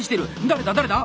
誰だ誰だ？